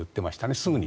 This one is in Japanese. すぐに。